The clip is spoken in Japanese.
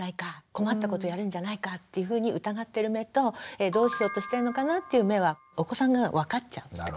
困ったことやるんじゃないか？っていうふうに疑ってる目とどうしようとしてんのかな？っていう目はお子さんが分かっちゃうってことです。